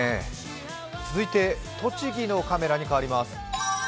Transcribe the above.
続いて、栃木のカメラにかわります。